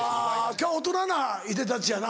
今日大人ないでたちやな。